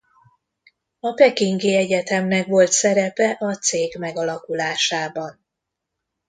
A Pekingi Egyetemnek volt szerepe a cég megalakulásában.